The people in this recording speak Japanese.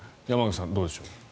山口さん、どうでしょう。